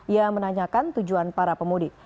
ia menanyakan tujuan para pemudik